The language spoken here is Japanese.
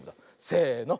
せの。